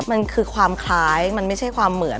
มันคือความคล้ายมันไม่ใช่ความเหมือน